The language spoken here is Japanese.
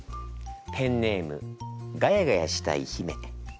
ペンネームガヤガヤしたいひめ。